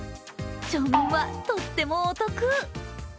町民はとってもお得。